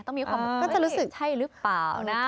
ต้องมีความว่าใช่หรือเปล่านะ